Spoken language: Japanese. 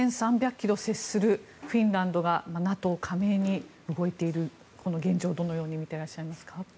ｋｍ接するフィンランドがＮＡＴＯ加盟に動いているこの現状をどのように見ていらっしゃいますか。